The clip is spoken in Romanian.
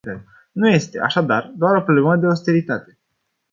Nu este, așadar, doar o problemă de austeritate.